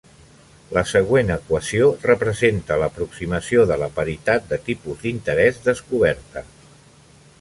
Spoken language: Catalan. La següent equació representa l'aproximació de la paritat de tipus d'interès descoberta.